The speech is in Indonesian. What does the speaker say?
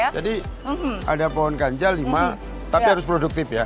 jadi ada pohon kanza lima tapi harus produktif ya